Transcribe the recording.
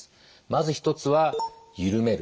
まず１つはゆるめる。